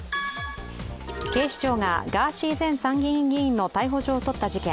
警視庁がガーシー前参議院議員の逮捕状を取った事件。